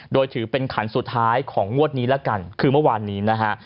โดยถือเป็นขันสุดท้ายของงวดนี้แล้วกันคือเมื่อวานนี้นะฮะ